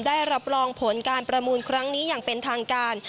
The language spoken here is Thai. ได้รับรองผลการประมูลครั้งนี้อย่างเป็นทางการ